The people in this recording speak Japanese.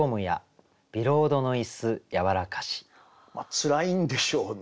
つらいんでしょうね